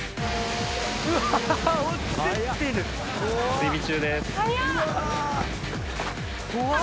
追尾中です。